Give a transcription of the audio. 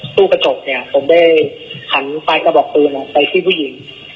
ตู้กระจกเนี่ยผมได้หันปลายกระบอกปืนไปที่ผู้หญิง